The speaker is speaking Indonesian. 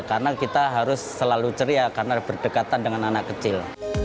karena kita harus selalu ceria karena berdekatan dengan anak kecil